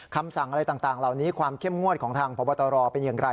คำสั่งอะไรต่างเหล่านี้ความเข้มงวดของทางพบตรเป็นอย่างไร